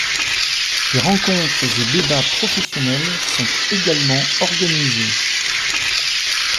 Des rencontres et débats professionnels sont également organisés.